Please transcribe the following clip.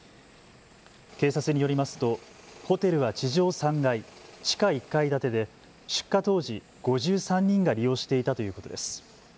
警察によりますとホテルは地上３階、地下１階建てで出火当時、５３人が利用していたということです。